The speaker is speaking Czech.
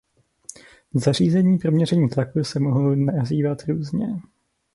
Zařízení pro měření tlaku se mohou nazývat různě.